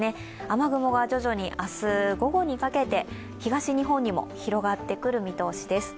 雨雲が徐々に明日午後にかけて東日本にも広がってくる見通しです。